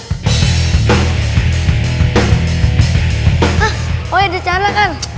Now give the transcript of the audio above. hah oe ada cara kan